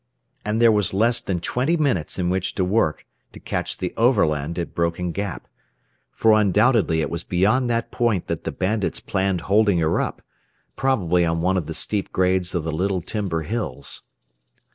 And there was less than twenty minutes in which to work, to catch the Overland at Broken Gap. For undoubtedly it was beyond that point that the bandits planned holding her up probably on one of the steep grades of the Little Timber hills.